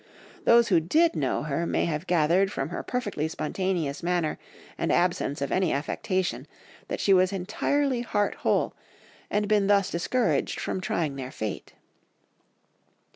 Those who did know her may have gathered from her perfectly spontaneous manner and absence of any affectation that she was entirely heart whole, and been thus discouraged from trying their fate.